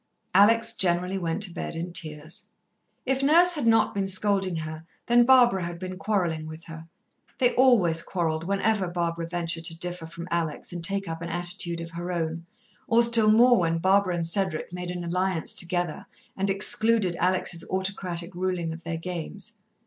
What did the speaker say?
Alex generally went to bed in tears. If Nurse had not been scolding her, then Barbara had been quarrelling with her. They always quarrelled whenever Barbara ventured to differ from Alex and take up an attitude of her own, or still more when Barbara and Cedric made an alliance together and excluded Alex's autocratic ruling of their games.